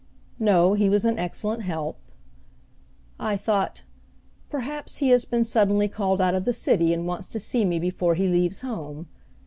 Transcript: No, he was in excellent health. I thought, "Perhaps he has been suddenly called out of the city and wants to see me before he leaves home."